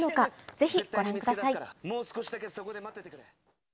ぜひご覧ください。